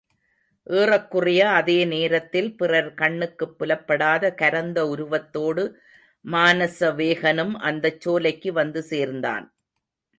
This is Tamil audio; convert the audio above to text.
ஏறக்குறைய அதே நேரத்தில் பிறர் கண்ணுக்குப் புலப்படாத கரந்த உருவத்தோடு மானசவேகனும் அந்தச் சோலைக்கு வந்து சேர்ந்தான்.